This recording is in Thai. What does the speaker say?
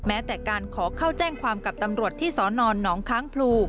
แม้แต่การขอเข้าแจ้งความกับตำรวจที่สอนอนหนองค้างพลู